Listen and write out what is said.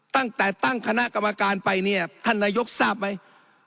ตั้งแต่ตั้งคณะกรรมการไปเนี่ยท่านนายกทราบไหม